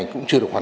chứng cứ số